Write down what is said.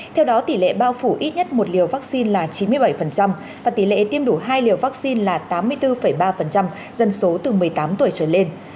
theo đó tỷ lệ bao phủ ít nhất một liều vaccine là chín mươi bảy và tỷ lệ tiêm đủ hai liều vaccine là tám mươi bốn ba dân số từ một mươi tám tuổi trở lên